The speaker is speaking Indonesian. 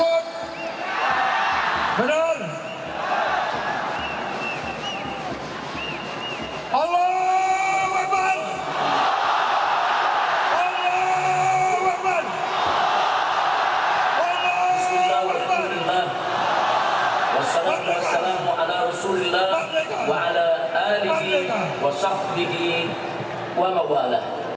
assalamualaikum warahmatullahi wabarakatuh